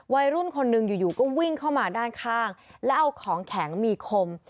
วัยรุ่นคนหนึ่งอยู่ก็วิ่งเข้ามาด้านข้างแล้วเอาของแข็งมีคม